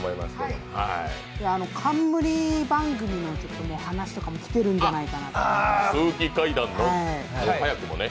冠番組の話とかも来ているんじゃないかなとか？